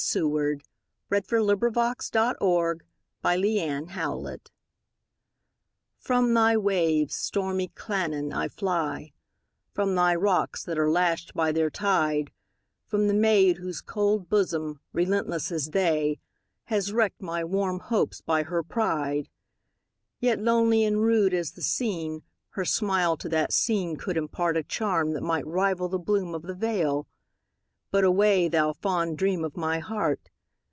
I–IV. 1876–79. Wales: Llannon Song By Anna Seward (1747–1809) FROM thy waves, stormy Llannon, I fly; From thy rocks, that are lashed by their tide; From the maid whose cold bosom, relentless as they, Has wrecked my warm hopes by her pride! Yet lonely and rude as the scene, Her smile to that scene could impartA charm that might rival the bloom of the vale,—But away, thou fond dream of my heart!